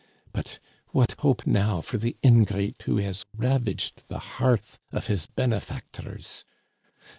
But what hope now for the ingrate who has ravaged the hearth of his benefac tors!